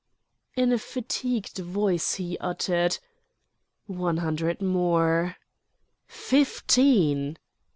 In a fatigued voice he uttered: "One hundred more." "Fifteen—!"